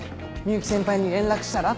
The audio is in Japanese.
「美雪先輩に連絡したら？」